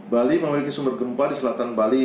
bali memiliki sumber gempa di selatan bali